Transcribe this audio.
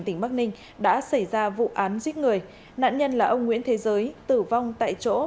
tỉnh bắc ninh đã xảy ra vụ án giết người nạn nhân là ông nguyễn thế giới tử vong tại chỗ